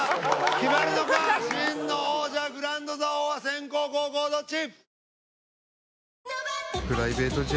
決まるのか真の王者グランド座王は先攻後攻どっち？